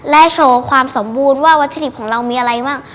และโชว์ความสมบูรณ์ว่าวัตถุดิบของเรามีอะไรบ้าง